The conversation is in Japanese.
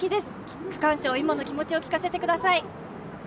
区間賞、今のお気持ちを聞かせてください。